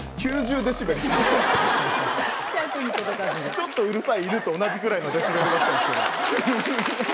ちょっとうるさい犬と同じぐらいのデシベルだった。